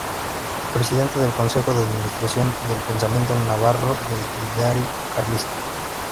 Presidente del Consejo de Administración del El Pensamiento Navarro de ideario carlista.